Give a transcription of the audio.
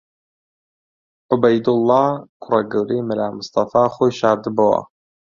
عوبەیدوڵڵا، کوڕە گەورەی مەلا مستەفا خۆی شاردبۆوە